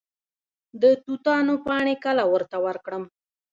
د توتانو پاڼې کله ورته ورکړم؟